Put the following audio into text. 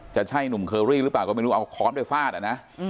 จะใช่หนุ่มเคอรี่หรือเปล่าก็ไม่รู้เอาค้อนไปฟาดอ่ะนะ